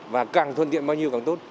và càng thuận tiện bao nhiêu càng tốt